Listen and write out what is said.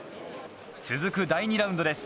続く第２ラウンドです。